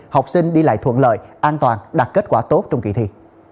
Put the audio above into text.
học sinh đi lại thuận lợi an toàn đạt kết quả tốt trong kỳ thi